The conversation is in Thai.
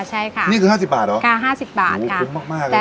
ใช่ค่ะนี่คือห้าสิบบาทเหรอค่ะห้าสิบบาทค่ะโอ้โหคุ้มมากมากเลยนะครับผม